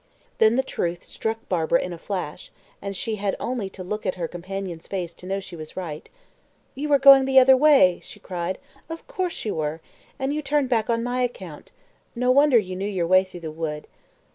Then the truth struck Barbara in a flash, and she had only to look at her companion's face to know she was right. "You were going the other way," she cried "of course you were and you turned back on my account. No wonder you knew your way through the wood!"